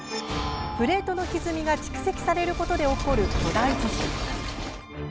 プレ―トのひずみが蓄積されることで起こる巨大地震。